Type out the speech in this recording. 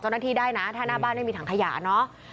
เจ้าหน้าที่ได้นะถ้าหน้าบ้านไม่มีถังขยะเนาะ